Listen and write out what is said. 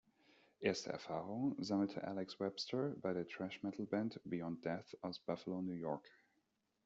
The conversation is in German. Erste Erfahrungen sammelte Alex Webster bei der Thrash-Metal-Band "Beyond Death" aus Buffalo, New York.